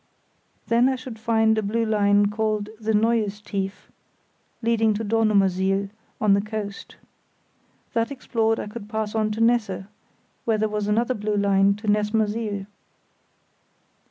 Then I should find a blue line called the Neues Tief leading to Dornumersiel, on the coast. That explored, I could pass on to Nesse, where there was another blue line to Nessmersiel.